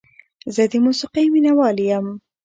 زه د موسیقۍ مینه وال یم.